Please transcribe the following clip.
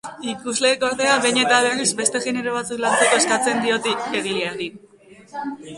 Ikusleek, ordea, behin eta berriz beste genero batzuk lantzeko eskatzen diote egileari.